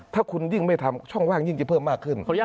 ถ้าคุณยิ่งไม่ทำช่องว่างยิ่งจะเพิ่มมากขึ้น